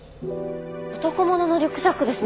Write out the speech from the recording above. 男物のリュックサックですね。